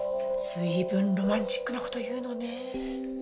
随分ロマンチックなこと言うのねぇ。